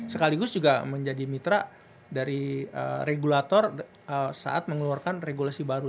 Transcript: sekaligus juga menjadi mitra dari regulator saat mengeluarkan regulasi baru